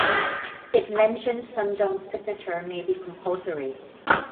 It mentioned Sunjong's signature may be compulsory.